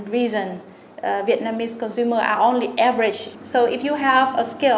vì vậy đối với các cơ hội truyền thông asean khác